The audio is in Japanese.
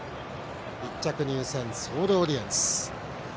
１着入線、ソールオリエンス。